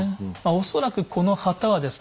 恐らくこの旗はですね